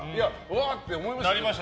わー！って思いましたよ。